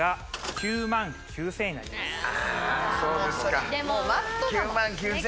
９万９０００円か。